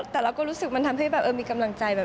แต่เราก็รู้สึกมันทำให้แบบมีกำลังใจแบบ